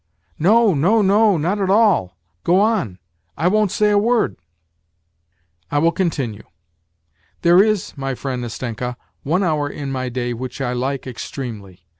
" No, no, no ! Not at all. Go on ! I won't say a word !"" I will continue. There is, my friend Nastenka, one hour in my day which I like extremely.